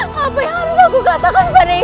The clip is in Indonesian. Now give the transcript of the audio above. kamu pergi meninggalkan kami